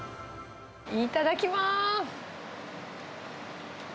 いただきます。